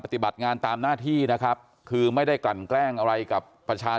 ปฏิบัติงานตามหน้าที่นะครับคือไม่ได้กลั่นแกล้งอะไรกับประชาชน